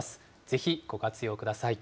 ぜひ、ご活用ください。